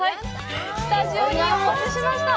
スタジオにお持ちしました。